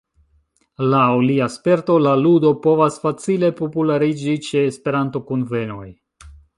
Laŭ lia sperto la ludo povas facile populariĝi ĉe Esperanto-kunvenoj.